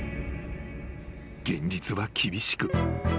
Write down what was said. ［現実は厳しく］